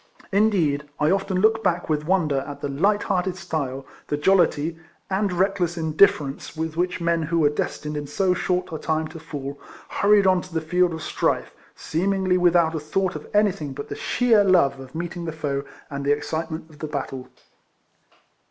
Indeed, I often look back with wonder at the light hearted style, the jollity, and reckless in difference with which men who were des tined in so short a time to fall, hurried RIFLEMAN HARRIS. 29 onwards to the field of strife; seemingly without a thought of anything but the sheer love of meeting the foe and the excitement of the battle.